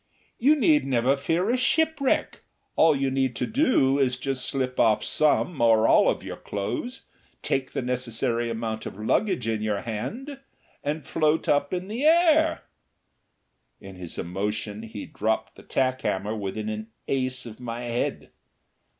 "You need never fear a shipwreck. All you need do is just slip off some or all of your clothes, take the necessary amount of luggage in your hand, and float up in the air " In his emotion he dropped the tack hammer within an ace of my head.